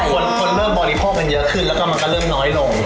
คนเริ่มบริโภคกันเยอะขึ้นแล้วก็มันก็เริ่มน้อยลง